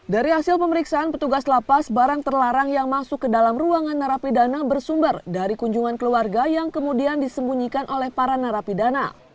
dari hasil pemeriksaan petugas lapas barang terlarang yang masuk ke dalam ruangan narapidana bersumber dari kunjungan keluarga yang kemudian disembunyikan oleh para narapidana